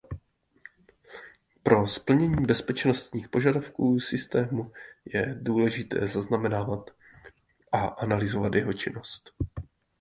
Pro splnění bezpečnostních požadavků systému je důležité zaznamenávat a analyzovat jeho činnost.